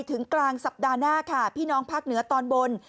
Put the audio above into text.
ถึงกลางสัปดาห์หน้าค่ะพี่น้องภาคเหนือตอนบน